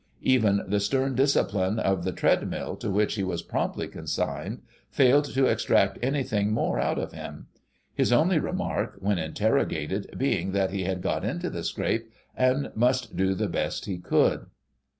Even the stern discipline of the tread mill, to which he was promptly consigned, failed to extract anything more out of him ; his only remark, when interrogated, being that he had got into the scrape, and must do the best he could.